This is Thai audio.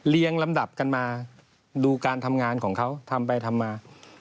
ลำดับกันมาดูการทำงานของเขาทำไปทำมา